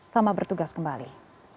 sama bertugas kembali